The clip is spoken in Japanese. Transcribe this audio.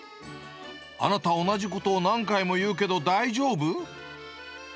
あなた、同じことを何回も言うけど大丈夫？